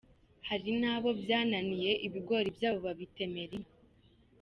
Hari n’abo byananiye ibigori byabo babitemera inka”.